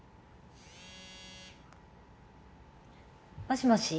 もしもし。